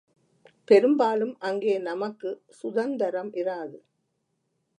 பெரும்பாலும் அங்கே நமக்குச் சுதந்தரம் இராது.